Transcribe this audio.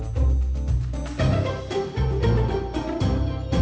เพื่อนรับทราบ